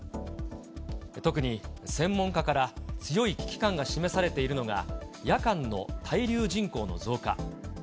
特に専門家から強い危機感が示されているのが、夜間の滞留人口の増加。